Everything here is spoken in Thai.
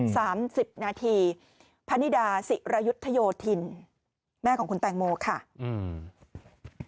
สามสิบนาทีพนิดาศิรยุทธโยธินแม่ของคุณแตงโมค่ะอืม